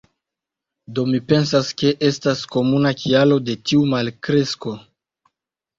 Do mi pensas ke estas komuna kialo de tiu malkresko.